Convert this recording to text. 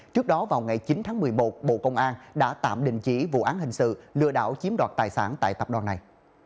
trước đó vào ngày chín tháng một mươi một bộ công an đã tạm đình chỉ vụ án hình sự lừa đảo chiếm đoạt tài sản tại tập đoàn này